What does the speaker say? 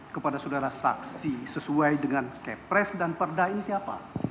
kepada saudara saksi sesuai dengan kepres dan perda ini siapa